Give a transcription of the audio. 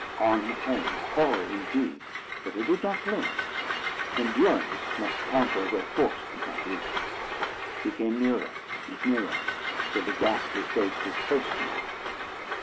On he came, a horror indeed, but I did not flinch. Endurance must conquer, where force could not reach. He came nearer and nearer, till the ghastly face was close to mine.